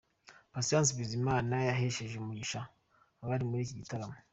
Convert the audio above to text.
Patient Bizimana yahesheje umugisha abari muri iki gitaramo.